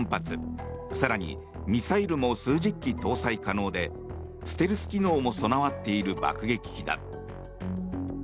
更にミサイルも数十基搭載可能でステルス機能も備わっている爆撃機だ。